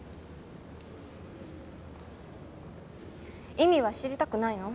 意味は知りたくないの？